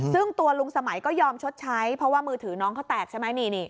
ซึ่งตัวลุงสมัยก็ยอมชดใช้เพราะว่ามือถือน้องเขาแตกใช่ไหม